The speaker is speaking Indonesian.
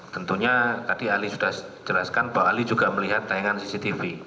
tentunya tadi ahli sudah jelaskan bahwa ahli juga melihat tayangan cctv